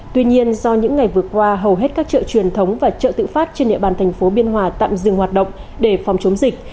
tuy nhiên do những ngày vừa qua hầu hết các chợ truyền thống và chợ tự phát trên địa bàn thành phố biên hòa tạm dừng hoạt động để phòng chống dịch